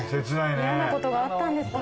嫌なことがあったんですかね。